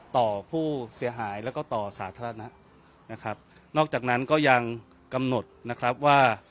ต่อผู้เสียหายแล้วก็ต่อสาธารณะนะครับนอกจากนั้นก็ยังกำหนดนะครับว่า